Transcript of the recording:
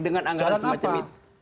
dengan anggaran semacam itu